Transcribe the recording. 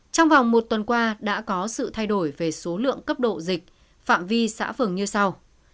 trong vòng một tuần qua đã có sự thay đổi về số lượng cấp độ dịch phạm vi xã phường như sau